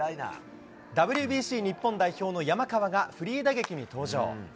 ＷＢＣ日本代表の山川がフリー打撃に登場。